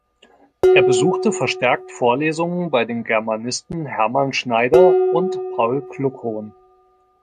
Er besuchte verstärkt Vorlesungen bei den Germanisten Hermann Schneider und Paul Kluckhohn.